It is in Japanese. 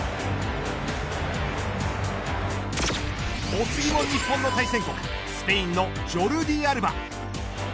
お次も日本の対戦国スペインのジョルディ・アルバ。